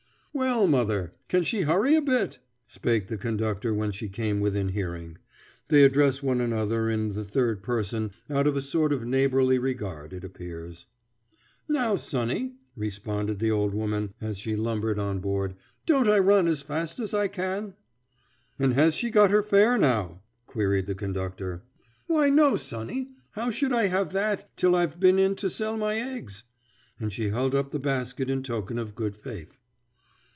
"Well, mother, can she hurry a bit?" spake the conductor when she came within hearing. They address one another in the third person out of a sort of neighborly regard, it appears. "Now, sonny," responded the old woman, as she lumbered on board, "don't I run as fast as I can?" "And has she got her fare, now?" queried the conductor. "Why, no, sonny; how should I have that till I've been in to sell my eggs?" and she held up the basket in token of good faith.